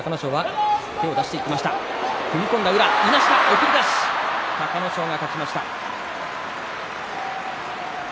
送り出し隆の勝が勝ちました。